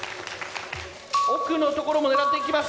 奥の所も狙っていきます。